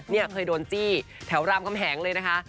เนี่ยเคยโดนจี้แถวรามคำแหงเลยนะคะ